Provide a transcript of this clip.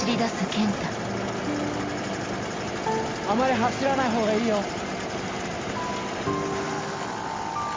あまり走らないほうがいいよ。